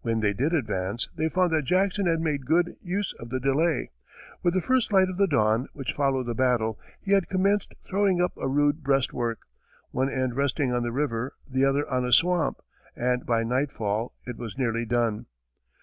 When they did advance, they found that Jackson had made good use of the delay. With the first light of the dawn which followed the battle, he had commenced throwing up a rude breastwork, one end resting on the river, the other on a swamp, and by nightfall, it was nearly done.